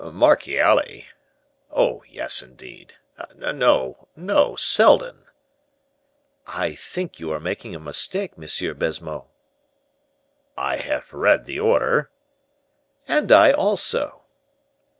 "Marchiali? oh! yes, indeed. No, no, Seldon." "I think you are making a mistake, Monsieur Baisemeaux." "I have read the order." "And I also."